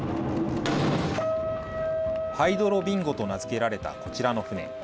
ハイドロ・びんごと名付けられたこちらの船。